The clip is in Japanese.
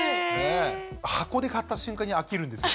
箱で買った瞬間に飽きるんですよ。